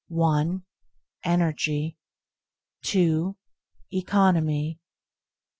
Energy 2. Economy 3.